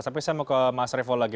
tapi saya mau ke mas revo lagi